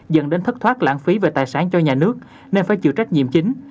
dẫn đến thất thoát lãng phí về tài sản cho nhà nước nên phải chịu trách nhiệm chính